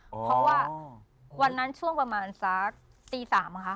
เพราะว่าวันนั้นช่วงประมาณสักตี๓ค่ะ